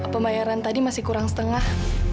pembayaran tadi masih kurang setengah